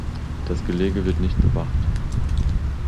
Das Gelege wird nicht bewacht.